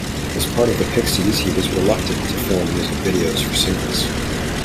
As part of the Pixies, he was reluctant to film music videos for singles.